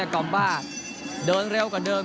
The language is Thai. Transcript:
กอมบ้าเดินเร็วกว่าเดิม